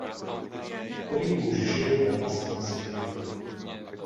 Prý už žil ve vlastním světě.